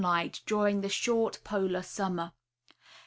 179 light during the short polar summer.